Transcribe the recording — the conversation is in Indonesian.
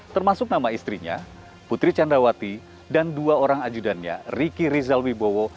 termasuk nama istrinya putri candrawati dan dua orang ajudannya riki rizal wibowo